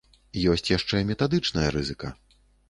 Ёсць яшчэ метадычная рызыка.